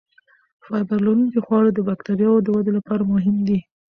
فایبر لرونکي خواړه د بکتریاوو ودې لپاره مهم دي.